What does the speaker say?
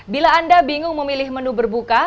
bila anda bingung memilih menu berbuka